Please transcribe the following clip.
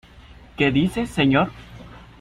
¿ qué dice, señor?